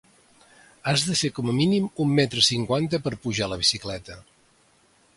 Has de fer com a mínim un metre cinquanta per pujar a la bicicleta.